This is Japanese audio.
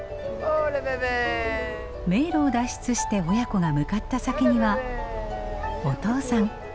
迷路を脱出して親子が向かった先にはお父さん。